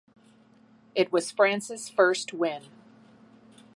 It was France's first win.